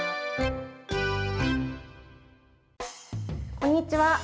こんにちは。